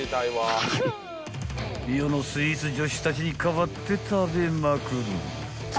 ［世のスイーツ女子たちに代わって食べまくる］